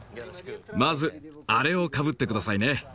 まずあれをかぶって下さいね。